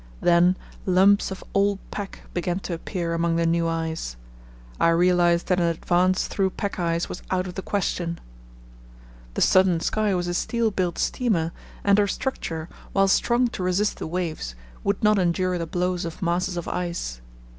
Then lumps of old pack began to appear among the new ice. I realized that an advance through pack ice was out of the question. The Southern Sky was a steel built steamer, and her structure, while strong to resist the waves, would not endure the blows of masses of ice.